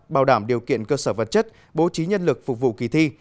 bảo đảm điều kiện cơ sở vật chất bố trí nhân lực phục vụ kỳ thi